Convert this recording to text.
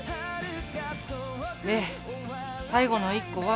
で最後の１個は。